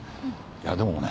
いやでももうね